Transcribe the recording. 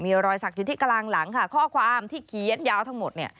มีรอยสักอยู่ที่กลางหลังค่ะข้อความที่เขียนยาวทั้งหมดเนี่ย